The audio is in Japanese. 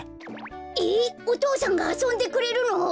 えっお父さんがあそんでくれるの？